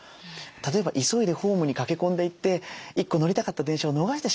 例えば急いでホームに駆け込んでいって一個乗りたかった電車を逃してしまった。